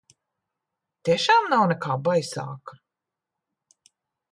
Tiešām nav nekā baisāka?